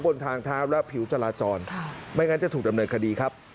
บนทางเท้าและผิวจราจรไม่งั้นจะถูกดำเนินคดีครับ